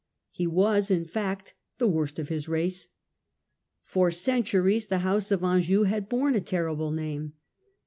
He was, in fact, the worst of his race. For centuries the house of Anjou had borne a terrible name.